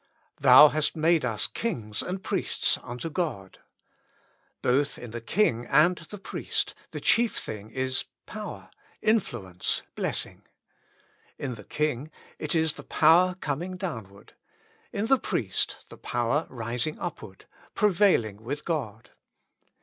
" Thou hast made us kings and priests unto God." Both in the king and the priest the chief thing is power, influence, blessing. In the king it is the power coming downward ; in the priest, the power rising upward, prevailing with God.